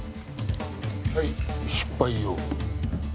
はい失敗用。